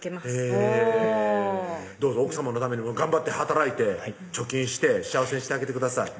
へぇおぉどうぞ奥さまのためにも頑張って働いて貯金して幸せにしてあげてください